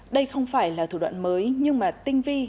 đây không phải là thủ đoạn mới nhưng mà tinh vi